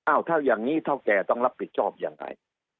อ้าวถ้าอย่างนี้เท่าแกต้องรับผิดชอบอย่างไร